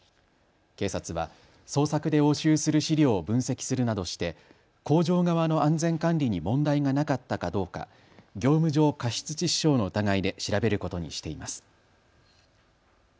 警察は捜索で押収する資料を分析するなどして工場側の安全管理に問題がなかったかどうか業務上過失致死傷の疑いで調べることにしています。